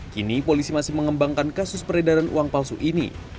kini polisi masih mengembangkan kasus peredaran uang palsu ini